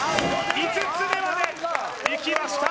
５つ目までいきました